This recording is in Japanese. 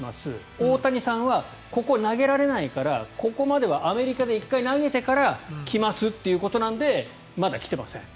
大谷さんはここ投げられないからここまではアメリカで１回投げてから来ますっていうことなのでまだ来てません。